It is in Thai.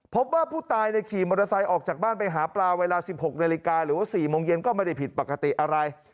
พบว่าผู้ตายขี่มอเตอร์ไซค์ออกจากบ้านไปหาปลาเวลา๑๖นาฬิกาหรือว่า๔โมงเย็นก็ไม่ได้ผิดปกติอะไร